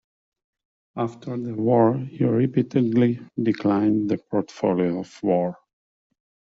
After the war he repeatedly declined the portfolio of war.